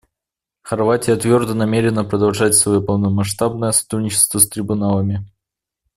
Хорватия твердо намерена продолжать свое полномасштабное сотрудничество с трибуналами.